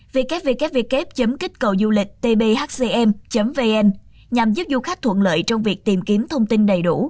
www kíchcầudulịch phcm vn nhằm giúp du khách thuận lợi trong việc tìm kiếm thông tin đầy đủ